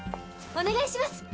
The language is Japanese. お願いします